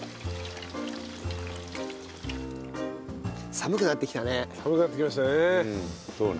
寒くなってきましたね。